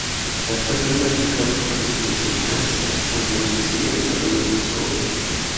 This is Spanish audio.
Actualmente ha fijado su residencia en Francia, desde donde sigue desarrollando su obra.